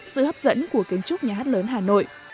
sự hấp dẫn của kiến trúc nhà hát lớn hà nội